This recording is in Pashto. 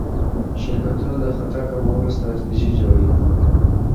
شرکتونه د خطر کمولو ستراتیژي جوړوي.